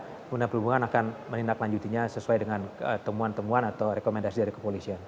kementerian perhubungan akan menindaklanjutinya sesuai dengan temuan temuan atau rekomendasi dari kepolisian